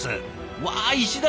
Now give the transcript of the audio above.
うわ石畳！